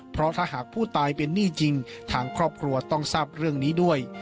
เพราะถ้าหากผู้ตายเป็นหนี้จริงทางครอบครัวต้องทราบเรื่องนี้ด้วย